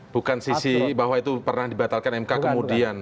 bukan sisi bahwa itu pernah dibatalkan mk kemudian